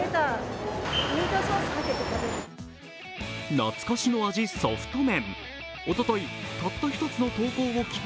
懐かしの味、ソフト麺。